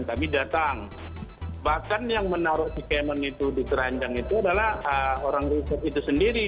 kami datang bahkan yang menaruh pokemon itu di keranjang itu adalah orang riset itu sendiri